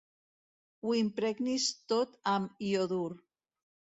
Ho impregnis tot amb iodur.